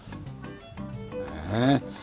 へえ。